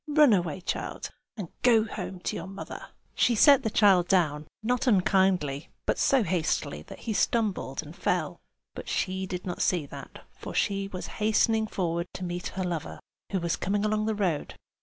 Run away, child, and go home to your mother!" She set the child down, not unkindly, but so hastily that he stumbled and fell; but she did not see that, for she was hastening forward to meet her lover, who was coming along the road.